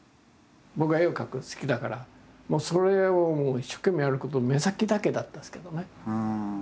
僕は絵を描くの好きだからもうそれを一生懸命やること目先だけだったですけどね。